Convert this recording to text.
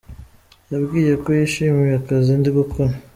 Yambwiye ko yishimiye akazi ndi gukora.